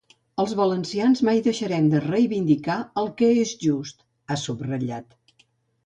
“Els valencians mai deixarem de reivindicar el que és just”, ha subratllat.